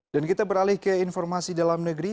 dan kita beralih ke informasi dalam negeri